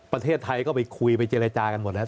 ประเทศไทยก็ไปคุยไปเจรจากันหมดแล้ว